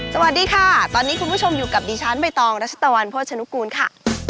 สวัสดีค่ะตอนนี้คุณผู้ชมอยู่กับดิฉันใบตองรัชตะวันโภชนุกูลค่ะ